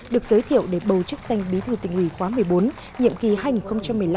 được giới thiệu để bầu chức danh bí thư tỉnh ủy khóa một mươi bốn nhiệm kỳ hành một mươi năm hai nghìn hai mươi